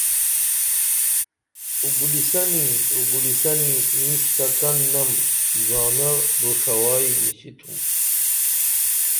اُگولیسنی اُگولیسنی اینش تہ کن نم زانہ بݜوائی نِشتُھم